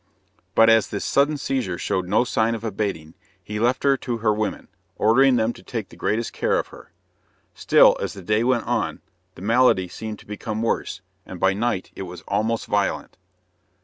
But as this sudden seizure showed no sign of abating, he left her to her women, ordering them to take the greatest care of her. Still, as the day went on, the malady seemed to become worse, and by night it was almost violent.